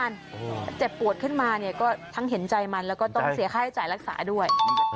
เจ็บปวดขึ้นมาเนี่ยก็ทั้งเห็นใจมันแล้วก็ต้องเสียค่าใช้จ่ายรักษาด้วย